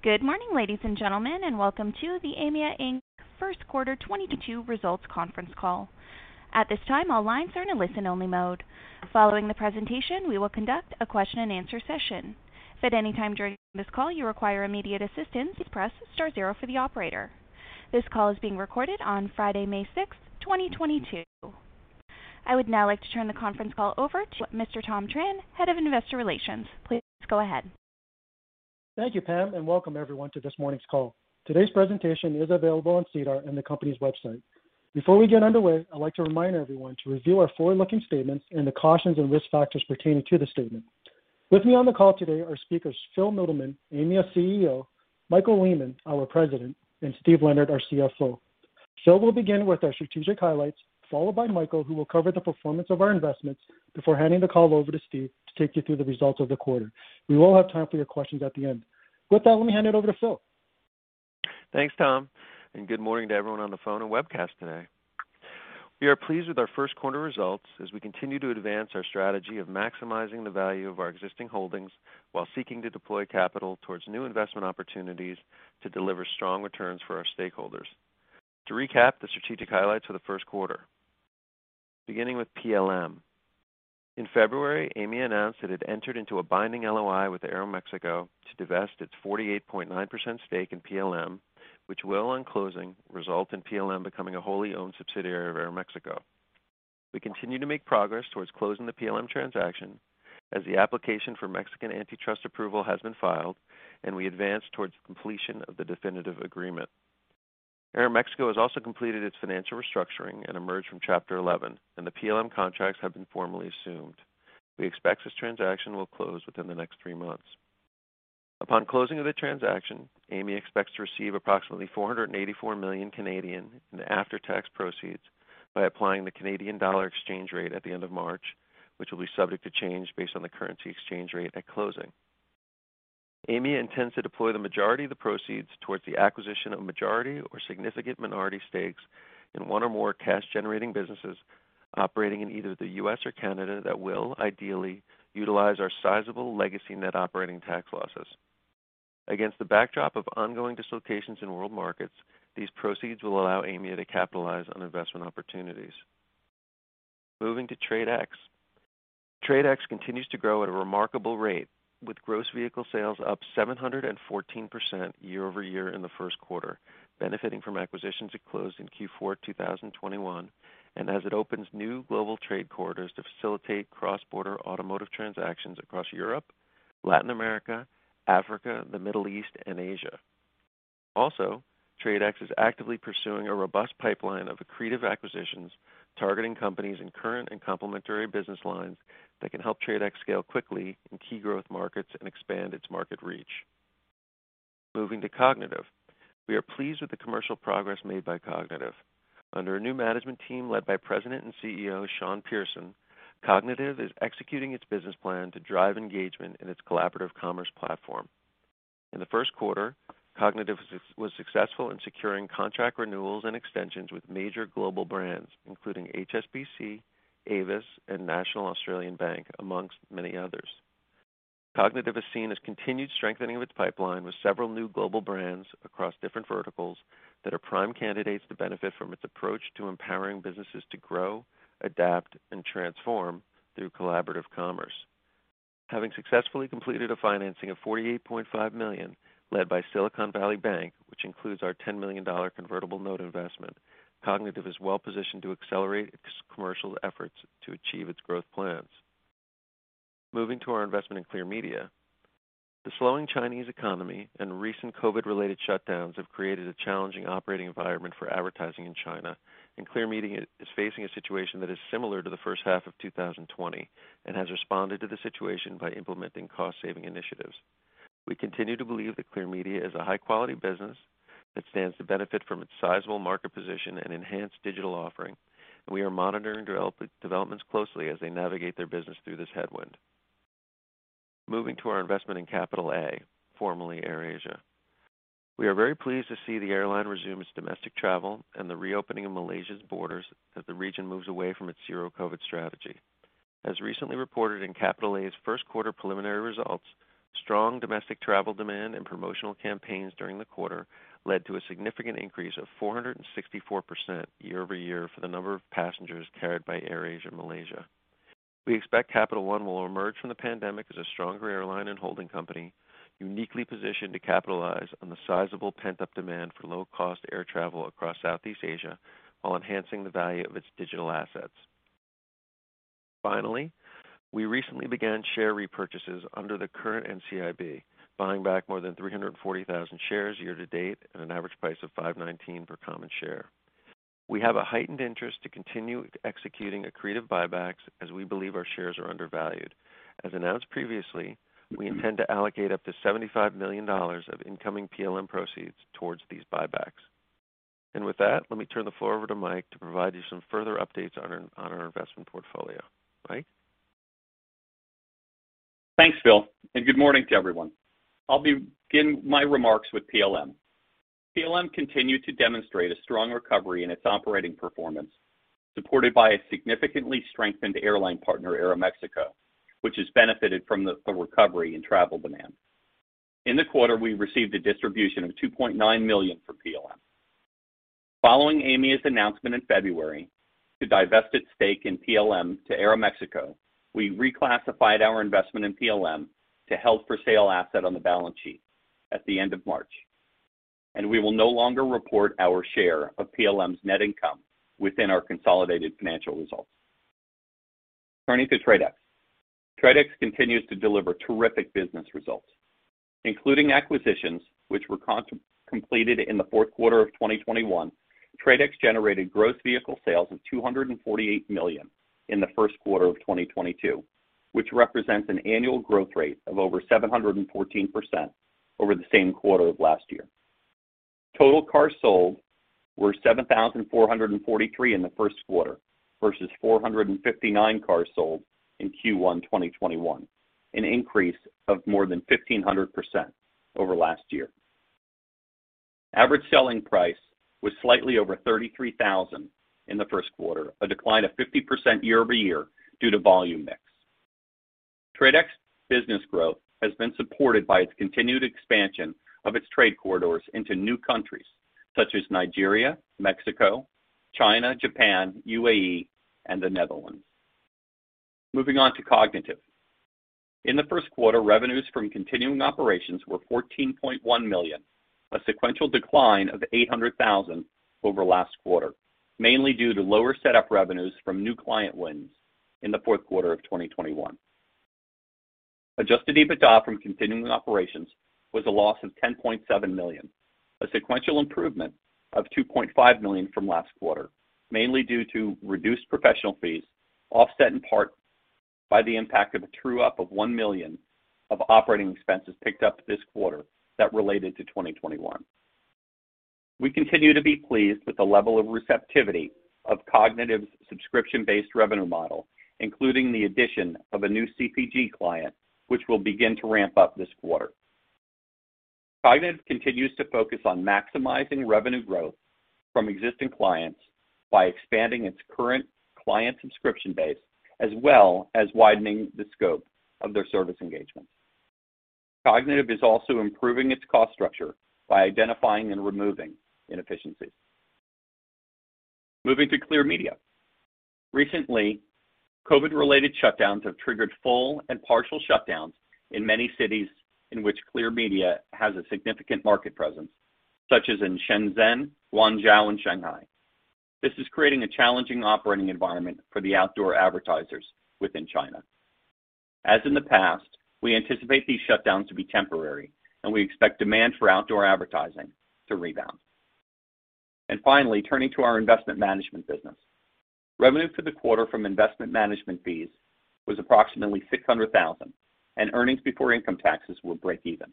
Good morning, ladies and gentlemen, and welcome to the Aimia Inc. first quarter 2022 results conference call. At this time, all lines are in a listen-only mode. Following the presentation, we will conduct a question-and-answer session. If at any time during this call you require immediate assistance, press star zero for the operator. This call is being recorded on Friday, May 6th, 2022. I would now like to turn the conference call over to Mr. Tom Tran, Head of Investor Relations. Please go ahead. Thank you, Pam, and welcome everyone to this morning's call. Today's presentation is available on SEDAR in the company's website. Before we get underway, I'd like to remind everyone to review our forward-looking statements and the cautions and risk factors pertaining to the statement. With me on the call today are speakers Phil Mittleman, Aimia CEO, Michael Lehmann, our President, and Steven Leonard, our CFO. Phil will begin with our strategic highlights, followed by Michael, who will cover the performance of our investments before handing the call over to Steve to take you through the results of the quarter. We will have time for your questions at the end. With that, let me hand it over to Phil. Thanks, Tom, and good morning to everyone on the phone and webcast today. We are pleased with our first quarter results as we continue to advance our strategy of maximizing the value of our existing holdings while seeking to deploy capital towards new investment opportunities to deliver strong returns for our stakeholders. To recap the strategic highlights for the first quarter, beginning with PLM. In February, Aimia announced that it entered into a binding LOI with Aeroméxico to divest its 48.9% stake in PLM, which will, on closing, result in PLM becoming a wholly owned subsidiary of Aeroméxico. We continue to make progress towards closing the PLM transaction as the application for Mexican antitrust approval has been filed, and we advance towards completion of the definitive agreement. Aeroméxico has also completed its financial restructuring and emerged from Chapter 11, and the PLM contracts have been formally assumed. We expect this transaction will close within the next three months. Upon closing of the transaction, Aimia expects to receive approximately 484 million in after-tax proceeds by applying the Canadian dollar exchange rate at the end of March, which will be subject to change based on the currency exchange rate at closing. Aimia intends to deploy the majority of the proceeds towards the acquisition of majority or significant minority stakes in one or more cash-generating businesses operating in either the U.S. or Canada that will ideally utilize our sizable legacy net operating tax losses. Against the backdrop of ongoing dislocations in world markets, these proceeds will allow Aimia to capitalize on investment opportunities. Moving to TRADE X. TRADE X continues to grow at a remarkable rate, with gross vehicle sales up 714% year-over-year in the first quarter, benefiting from acquisitions it closed in Q4 2021 and as it opens new global trade corridors to facilitate cross-border automotive transactions across Europe, Latin America, Africa, the Middle East, and Asia. TRADE X is actively pursuing a robust pipeline of accretive acquisitions, targeting companies in current and complementary business lines that can help TRADE X scale quickly in key growth markets and expand its market reach. Moving to Kognitiv. We are pleased with the commercial progress made by Kognitiv. Under a new management team led by President and CEO Sean Pearson, Kognitiv is executing its business plan to drive engagement in its collaborative commerce platform. In the first quarter, Kognitiv was successful in securing contract renewals and extensions with major global brands, including HSBC, Avis, and National Australia Bank, among many others. Kognitiv has seen its continued strengthening of its pipeline with several new global brands across different verticals that are prime candidates to benefit from its approach to empowering businesses to grow, adapt, and transform through collaborative commerce. Having successfully completed a financing of 48.5 million led by Silicon Valley Bank, which includes our $10 million convertible note investment, Kognitiv is well positioned to accelerate its commercial efforts to achieve its growth plans. Moving to our investment in Clear Media. The slowing Chinese economy and recent COVID-related shutdowns have created a challenging operating environment for advertising in China, and Clear Media is facing a situation that is similar to the first half of 2020 and has responded to the situation by implementing cost-saving initiatives. We continue to believe that Clear Media is a high-quality business that stands to benefit from its sizable market position and enhanced digital offering, and we are monitoring developments closely as they navigate their business through this headwind. Moving to our investment in Capital A, formerly AirAsia. We are very pleased to see the airline resume its domestic travel and the reopening of Malaysia's borders as the region moves away from its zero-COVID strategy. As recently reported in Capital A's first quarter preliminary results, strong domestic travel demand and promotional campaigns during the quarter led to a significant increase of 464% year-over-year for the number of passengers carried by AirAsia Malaysia. We expect Capital A will emerge from the pandemic as a stronger airline and holding company, uniquely positioned to capitalize on the sizable pent-up demand for low-cost air travel across Southeast Asia while enhancing the value of its digital assets. Finally, we recently began share repurchases under the current NCIB, buying back more than 340,000 shares year-to-date at an average price of 5.19 per common share. We have a heightened interest to continue executing accretive buybacks as we believe our shares are undervalued. As announced previously, we intend to allocate up to $75 million of incoming PLM proceeds towards these buybacks. With that, let me turn the floor over to Mike to provide you some further updates on our investment portfolio. Mike? Thanks, Phil, and good morning to everyone. I'll be beginning my remarks with PLM. PLM continued to demonstrate a strong recovery in its operating performance, supported by a significantly strengthened airline partner, Aeroméxico, which has benefited from the recovery in travel demand. In the quarter, we received a distribution of 2.9 million for PLM. Following Aimia's announcement in February to divest its stake in PLM to Aeroméxico, we reclassified our investment in PLM to held for sale asset on the balance sheet at the end of March. We will no longer report our share of PLM's net income within our consolidated financial results. Turning to TRADE X. TRADE X continues to deliver terrific business results, including acquisitions which were completed in the fourth quarter of 2021. TRADE X generated gross vehicle sales of 248 million in the first quarter of 2022, which represents an annual growth rate of over 714% over the same quarter of last year. Total cars sold were 7,443 in the first quarter versus 459 cars sold in Q1 2021, an increase of more than 1,500% over last year. Average selling price was slightly over 33,000 in the first quarter, a decline of 50% year-over-year due to volume mix. TRADE X business growth has been supported by its continued expansion of its trade corridors into new countries such as Nigeria, Mexico, China, Japan, UAE, and the Netherlands. Moving on to Kognitiv. In the first quarter, revenues from continuing operations were 14.1 million, a sequential decline of 800,000 over last quarter, mainly due to lower setup revenues from new client wins in the fourth quarter of 2021. Adjusted EBITDA from continuing operations was a loss of 10.7 million, a sequential improvement of 2.5 million from last quarter, mainly due to reduced professional fees, offset in part by the impact of a true up of 1 million of operating expenses picked up this quarter that related to 2021. We continue to be pleased with the level of receptivity of Kognitiv's subscription-based revenue model, including the addition of a new CPG client, which will begin to ramp up this quarter. Kognitiv continues to focus on maximizing revenue growth from existing clients by expanding its current client subscription base, as well as widening the scope of their service engagements. Kognitiv is also improving its cost structure by identifying and removing inefficiencies. Moving to Clear Media. Recently, COVID-related shutdowns have triggered full and partial shutdowns in many cities in which Clear Media has a significant market presence, such as in Shenzhen, Guangzhou, and Shanghai. This is creating a challenging operating environment for the outdoor advertisers within China. As in the past, we anticipate these shutdowns to be temporary, and we expect demand for outdoor advertising to rebound. Finally, turning to our investment management business. Revenue for the quarter from investment management fees was approximately 600,000, and earnings before income taxes were break even.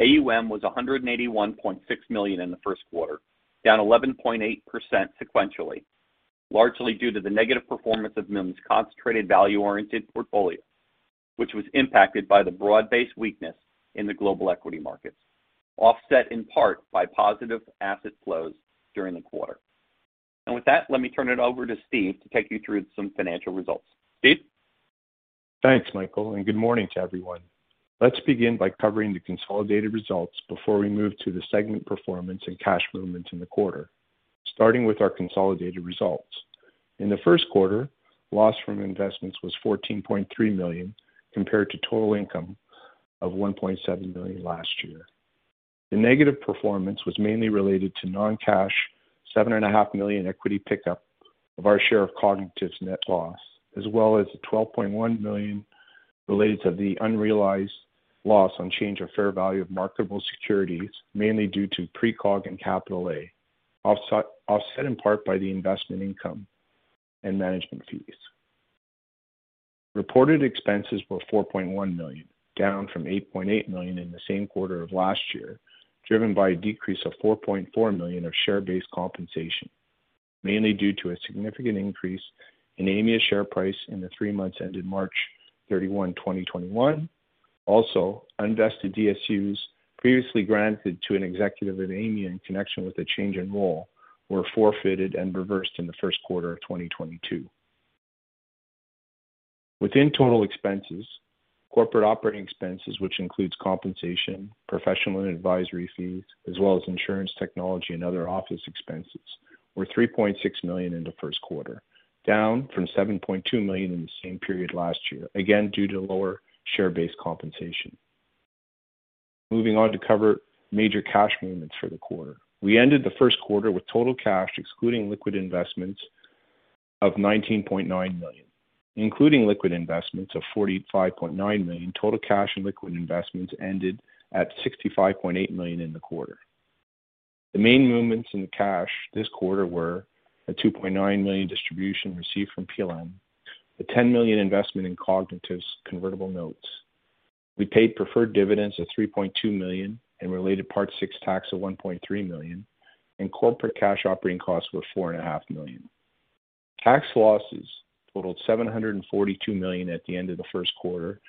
AUM was 181.6 million in the first quarter, down 11.8% sequentially, largely due to the negative performance of MIM's concentrated value-oriented portfolio, which was impacted by the broad-based weakness in the global equity markets, offset in part by positive asset flows during the quarter. With that, let me turn it over to Steve to take you through some financial results. Steve? Thanks, Michael, and good morning to everyone. Let's begin by covering the consolidated results before we move to the segment performance and cash movement in the quarter. Starting with our consolidated results. In the first quarter, loss from investments was 14.3 million, compared to total income of 1.7 million last year. The negative performance was mainly related to non-cash 7.5 million equity pickup of our share of Kognitiv's net loss, as well as the 12.1 million related to the unrealized loss on change of fair value of marketable securities, mainly due to Precog and Capital A, offset in part by the investment income and management fees. Reported expenses were 4.1 million, down from 8.8 million in the same quarter of last year, driven by a decrease of 4.4 million of share-based compensation, mainly due to a significant increase in Aimia's share price in the three months ended March 31, 2021. Also, unvested DSUs previously granted to an executive at Aimia in connection with a change in role were forfeited and reversed in the first quarter of 2022. Within total expenses, corporate operating expenses, which includes compensation, professional and advisory fees, as well as insurance, technology, and other office expenses, were 3.6 million in the first quarter, down from 7.2 million in the same period last year, again due to lower share-based compensation. Moving on to cover major cash movements for the quarter. We ended the first quarter with total cash excluding liquid investments of 19.9 million, including liquid investments of 45.9 million. Total cash and liquid investments ended at 65.8 million in the quarter. The main movements in the cash this quarter were a 2.9 million distribution received from PLM, the 10 million investment in Kognitiv's convertible notes. We paid preferred dividends of 3.2 million and related Part VI.1 tax of 1.3 million, and corporate cash operating costs were 4.5 million. Tax losses totaled 742 million at the end of the first quarter,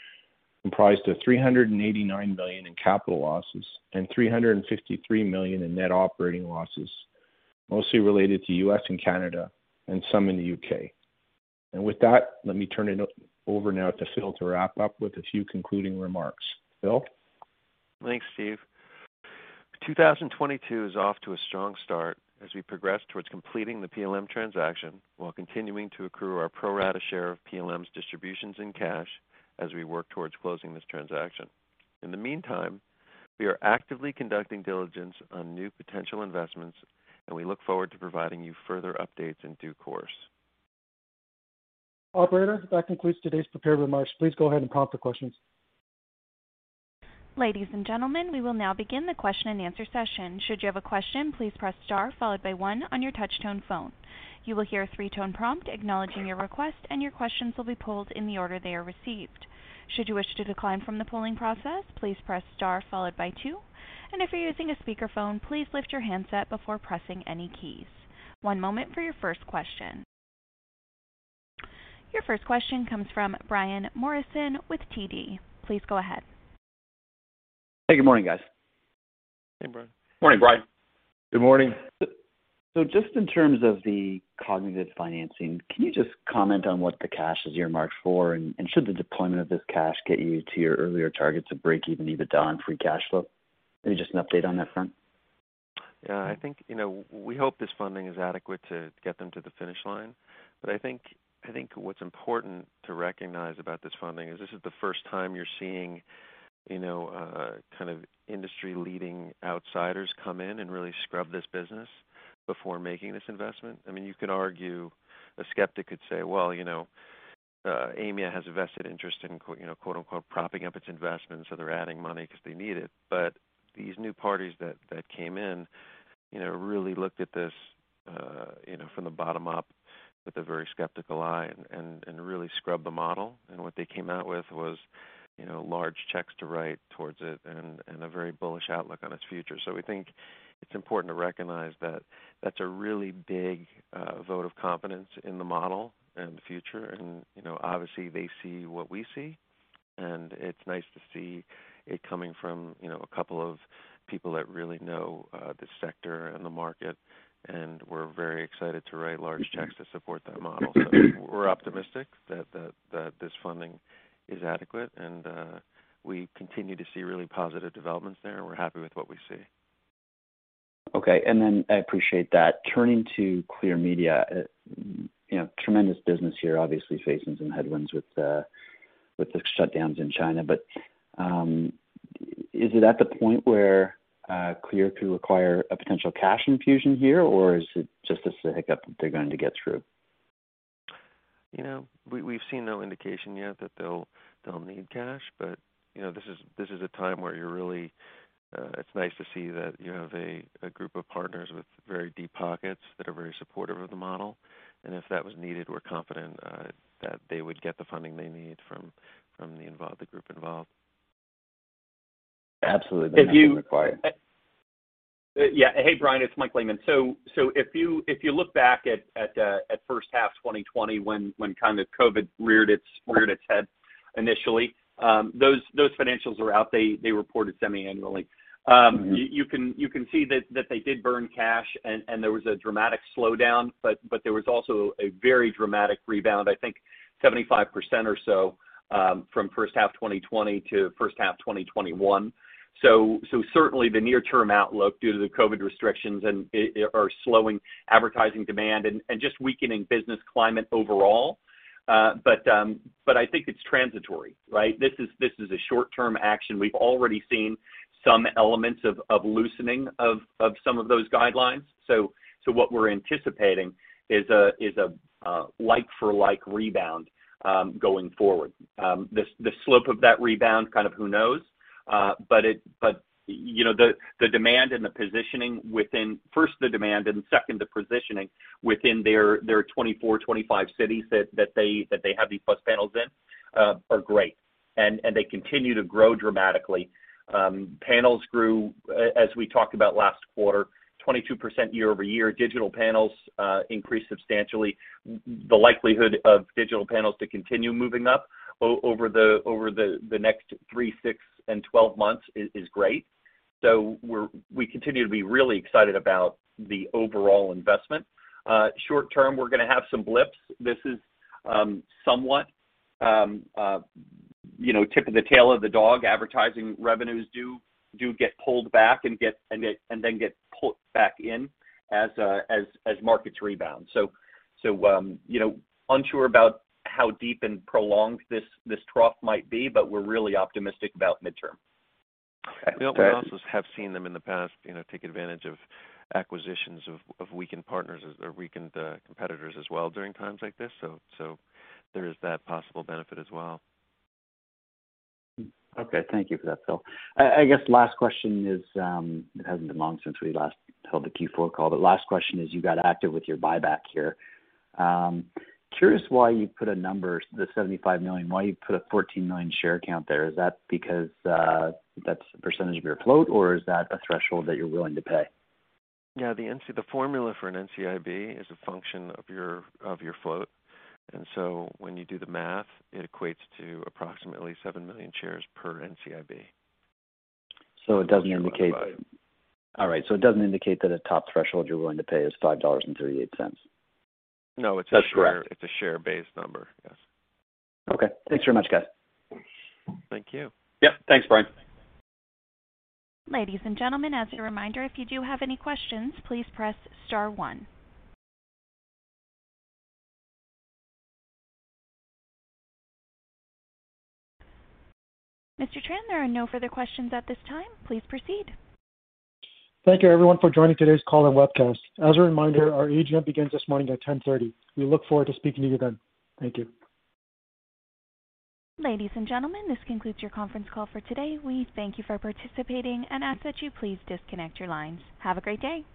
comprised of 389 million in capital losses and 353 million in net operating losses, mostly related to U.S. and Canada and some in the U.K. With that, let me turn it over now to Phil to wrap up with a few concluding remarks. Phil? Thanks, Steve. 2022 is off to a strong start as we progress towards completing the PLM transaction while continuing to accrue our pro rata share of PLM's distributions in cash as we work towards closing this transaction. In the meantime, we are actively conducting diligence on new potential investments, and we look forward to providing you further updates in due course. Operator, that concludes today's prepared remarks. Please go ahead and prompt the questions. Ladies and gentlemen, we will now begin the question-and-answer session. Should you have a question, please press star followed by one on your touch tone phone. You will hear a three-tone prompt acknowledging your request, and your questions will be pulled in the order they are received. Should you wish to decline from the polling process, please press star followed by two. If you're using a speakerphone, please lift your handset before pressing any keys. One moment for your first question. Your first question comes from Brian Morrison with TD. Please go ahead. Hey, good morning, guys. Hey, Brian. Morning, Brian. Good morning. Just in terms of the Kognitiv financing, can you just comment on what the cash is earmarked for? Should the deployment of this cash get you to your earlier targets of breakeven EBITDA and free cash flow? Maybe just an update on that front. Yeah, I think, you know, we hope this funding is adequate to get them to the finish line. I think what's important to recognize about this funding is this is the first time you're seeing, you know, kind of industry leading outsiders come in and really scrub this business before making this investment. I mean, you could argue a skeptic could say, "Well, you know, Aimia has a vested interest in, you know, quote-unquote, propping up its investment, so they're adding money 'cause they need it." These new parties that came in, you know, really looked at this, you know, from the bottom up with a very skeptical eye and really scrubbed the model. What they came out with was, you know, large checks to write towards it and a very bullish outlook on its future. We think it's important to recognize that that's a really big vote of confidence in the model and the future. You know, obviously they see what we see, and it's nice to see it coming from, you know, a couple of people that really know the sector and the market, and we're very excited to write large checks to support that model. We're optimistic that that this funding is adequate, and we continue to see really positive developments there, and we're happy with what we see. Okay. I appreciate that. Turning to Clear Media, tremendous business here obviously facing some headwinds with the shutdowns in China. Is it at the point where Clear could require a potential cash infusion here, or is it just as a hiccup that they're going to get through? You know, we've seen no indication yet that they'll need cash. You know, this is a time where you're really, it's nice to see that you have a group of partners with very deep pockets that are very supportive of the model. If that was needed, we're confident that they would get the funding they need from the group involved. Absolutely. If you- Required. Yeah. Hey, Brian, it's Michael Lehmann. If you look back at first half 2020 when COVID reared its head initially, those financials are out. They report it semi-annually. You can see that they did burn cash and there was a dramatic slowdown, but there was also a very dramatic rebound, I think 75% or so, from first half 2020 to first half 2021. Certainly the near-term outlook due to the COVID restrictions and they're slowing advertising demand and just weakening business climate overall. But I think it's transitory, right? This is a short-term action. We've already seen some elements of loosening of some of those guidelines. What we're anticipating is a like for like rebound, going forward. The slope of that rebound, kind of who knows. But, you know, the demand and the positioning within. First, the demand, and second, the positioning within their 24, 25 cities that they have these plus panels in, are great, and they continue to grow dramatically. Panels grew, as we talked about last quarter, 22% year-over-year. Digital panels increased substantially. The likelihood of digital panels to continue moving up over the next three, six, and 12 months is great. We continue to be really excited about the overall investment. Short-term, we're gonna have some blips. This is somewhat, you know, tip of the tail of the dog. Advertising revenues do get pulled back and then get pulled back in as markets rebound. You know, unsure about how deep and prolonged this trough might be, but we're really optimistic about midterm. Okay. We also have seen them in the past, you know, take advantage of acquisitions of weakened partners or weakened competitors as well during times like this. So there is that possible benefit as well. Okay. Thank you for that, Phil. I guess last question is, it hasn't been long since we last held the Q4 call, but last question is you got active with your buyback here. Curious why you put a number, the 75 million, why you put a 14 million share count there. Is that because, that's the percentage of your float, or is that a threshold that you're willing to pay? Yeah. The formula for an NCIB is a function of your float, and so when you do the math, it equates to approximately 7 million shares per NCIB. It doesn't indicate. Which we are authorized. All right. It doesn't indicate that a top threshold you're willing to pay is $5.38. No, it's a share. That's correct. It's a share-based number, yes. Okay. Thanks very much, guys. Thank you. Yep. Thanks, Brian. Ladies and gentlemen, as a reminder, if you do have any questions, please press star one. Mr. Tran, there are no further questions at this time. Please proceed. Thank you everyone for joining today's call and webcast. As a reminder, our AGM begins this morning at 10:30 A.M. We look forward to speaking to you then. Thank you. Ladies and gentlemen, this concludes your conference call for today. We thank you for participating and ask that you please disconnect your lines. Have a great day.